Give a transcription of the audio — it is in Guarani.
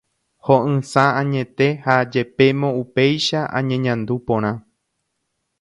Ho'ysã añete ha jepémo upéicha añeñandu porã.